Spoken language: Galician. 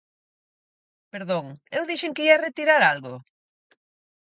Perdón, ¿eu dixen que ía retirar algo?